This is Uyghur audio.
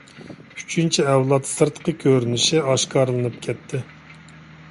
ئۈچىنچى ئەۋلاد سىرتقى كۆرۈنۈشى ئاشكارىلىنىپ كەتتى.